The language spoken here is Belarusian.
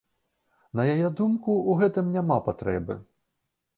На яе думку, у гэтым няма патрэбы.